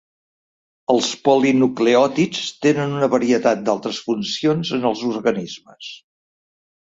Els polinucleòtids tenen una varietat d'altres funcions en els organismes.